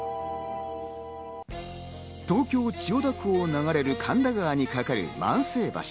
東京・千代田区を流れる神田川にかかる万世橋。